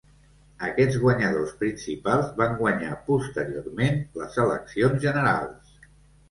Aquests guanyadors principals van guanyar, posteriorment, les eleccions generals.